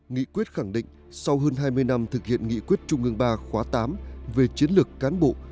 nghị quyết khẳng định sau hơn hai mươi năm thực hiện nghị quyết trung ương ba khóa tám về chiến lược cán bộ